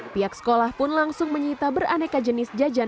pihak sekolah pun langsung menyita beraneka jenis jajanan